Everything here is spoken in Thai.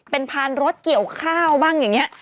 เป็นพานรถเกี่ยวข้าวบ้างอย่างนี้